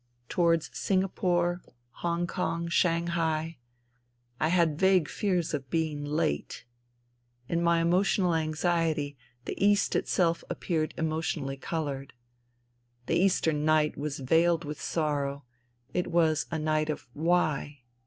Towards Singapore, Hongkong, Shanghai. ...[ had vague fears of being " late." In my emotional Inxiety the East itself appeared emotionally coloured, fhe eastern night was veiled with sorrow. It was I night of Why